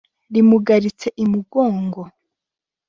rimugaritse i mugongo